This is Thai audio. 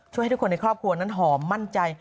ให้ทุกคนในครอบครัวนั้นหอมมั่นใจ